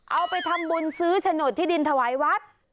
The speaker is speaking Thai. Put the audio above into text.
เอาไปทำบุญซื้อฉโนธิศดินถวายฤทธิ์